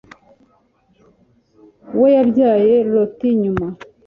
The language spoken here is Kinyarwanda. we yabyaye loti nyuma